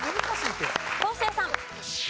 昴生さん。